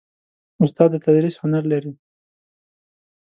استاد د تدریس هنر لري.